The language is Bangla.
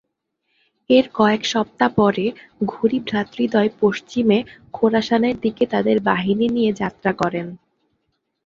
এর কয়েক সপ্তাহ পরে ঘুরি ভ্রাতৃদ্বয় পশ্চিমে খোরাসানের দিকে তাদের বাহিনী নিয়ে যাত্রা করেন।